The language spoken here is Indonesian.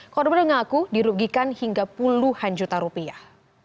korban mengaku dirugikan hingga puluhan juta rupiah